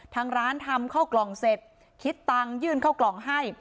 ทางร้านทำเข้ากล่องเสร็จคิดตังค์ยื่นเข้ากล่องให้